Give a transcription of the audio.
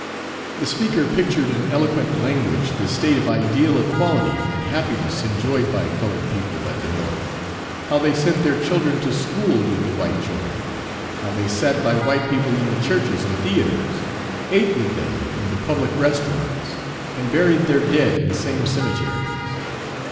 The speaker pictured in eloquent language the state of ideal equality and happiness enjoyed by colored people Page 205 at the North: how they sent their children to school with the white children; how they sat by white people in the churches and theatres, ate with them in the public restaurants, and buried their dead in the same cemeteries.